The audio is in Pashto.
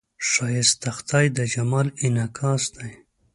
ښایست د خدای د جمال انعکاس دی